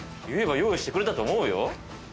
言えば用意してくれたと思うよ。